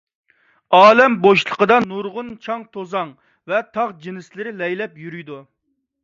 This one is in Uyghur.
ئالەم بوشلۇقىدا نۇرغۇن چاڭ-توزان ۋە تاغ جىنسلىرى لەيلەپ يۈرىدۇ.